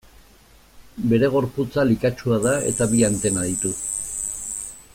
Bere gorputza likatsua da eta bi antena ditu.